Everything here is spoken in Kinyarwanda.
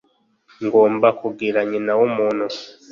Ngomba kugira nyina w'umuntu.